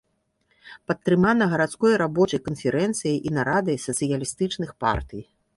Падтрымана гарадской рабочай канферэнцыяй і нарадай сацыялістычных партый.